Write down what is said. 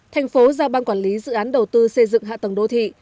thành phố giao ban quản lý dự án đầu tư xây dựng hạ tầng đô thị